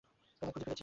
তোমায় খুঁজে ফেলেছি।